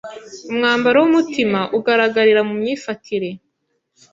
umwambaro w’umutima ugaragarira mu myifatire